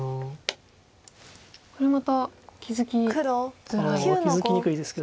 これまた気付きづらいですね。